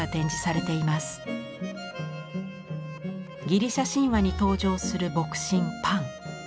ギリシャ神話に登場する牧神パン。